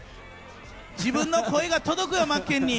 自分の声が届くよ、まっけんに。